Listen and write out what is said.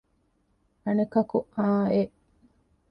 އަނެކަކު އާނއެއް